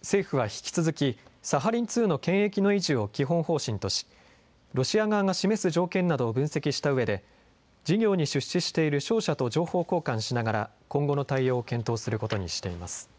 政府は引き続き、サハリン２の権益の維持を基本方針とし、ロシア側が示す条件などを分析したうえで、事業に出資している商社と情報交換しながら、今後の対応を検討することにしています。